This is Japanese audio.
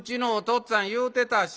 っつぁん言うてたし。